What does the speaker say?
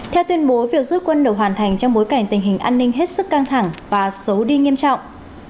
theo tuyên bố việc rút quân được hoàn thành trong bối cảnh tình hình an ninh hết sức căng thẳng và xấu đi nghiêm trọng